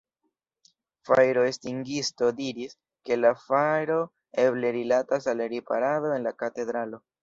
Fajroestingisto diris, ke la fajro eble rilatas al riparado en la katedralo.